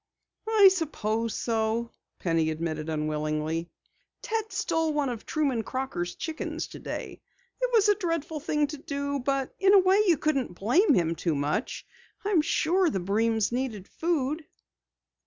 "I suppose so," Penny admitted unwillingly. "Ted stole one of Truman Crocker's chickens today. It was a dreadful thing to do, but in a way you couldn't blame him too much. I'm sure the Breens needed food."